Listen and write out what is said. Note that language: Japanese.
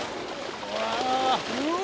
うわ！